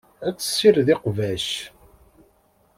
Ad tessired iqbac.